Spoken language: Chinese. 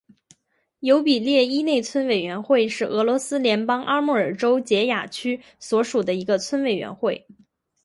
尤比列伊内村委员会是俄罗斯联邦阿穆尔州结雅区所属的一个村委员会。